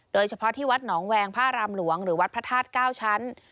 โดยเฉพาะที่วัดหนองแวงพระรามหลวงหรือวัดพระธาตุ๙ชั้น